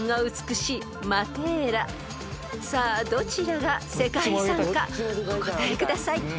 ［さあどちらが世界遺産かお答えください］